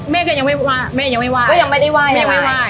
เม่ก็ยังไม่ไหว่งไม่ไหว่ง